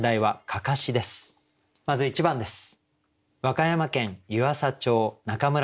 まず１番です。